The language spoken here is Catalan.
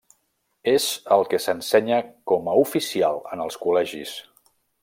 És el que s’ensenya com a oficial en els col·legis.